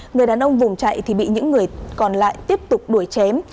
người đàn ông vùng chạy thì bị những người còn lại tiếp tục đuổi chém